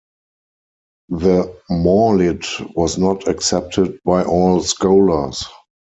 The Mawlid was not accepted by all scholars.